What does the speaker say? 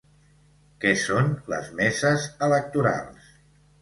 Què són les meses electorals?